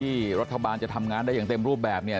ที่รัฐบาลจะทำงานได้อย่างเต็มรูปแบบเนี่ย